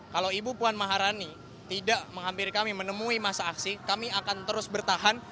kalau ibu puan maharani tidak menghampiri kami menemui masa aksi kami akan terus bertahan